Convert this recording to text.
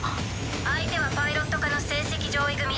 相手はパイロット科の成績上位組。